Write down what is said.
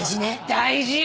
大事よ。